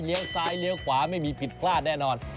ซ้ายเลี้ยวขวาไม่มีผิดพลาดแน่นอน